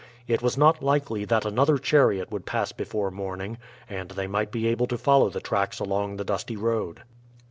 It was not likely that another chariot would pass before morning, and they might be able to follow the tracks along the dusty road.